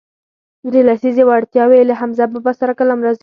درې لسیزې وړاندې یې له حمزه بابا سره کلام راځي.